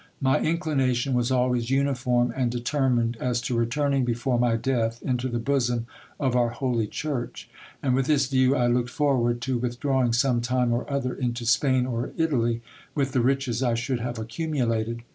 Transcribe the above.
My inclination was always uniform and determined, as to returning before my death into the bosom of our holy church ; and with this view I looked forward to withdrawing some time or other into Spain or Italy with the riches I should have accumulated.